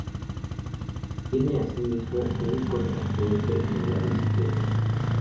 Tiene, asimismo, un contrafuerte en el lado izquierdo.